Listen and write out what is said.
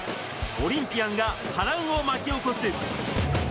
オリンピアンが波乱を巻き起こす。